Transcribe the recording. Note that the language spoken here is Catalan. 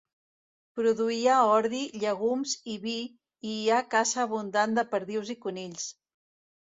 Produïa ordi, llegums i vi i hi ha caça abundant de perdius i conills.